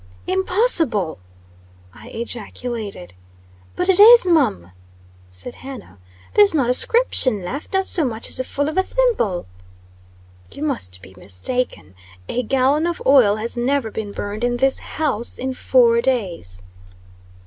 "Impossible!" I ejaculated. "But it is mum," said Hannah. "There's not a scrimption left not so much as the full of a thimble." "You must be mistaken. A gallon of oil has never been burned in this house in four days."